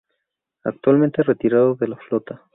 Actualmente Retirado de la flota.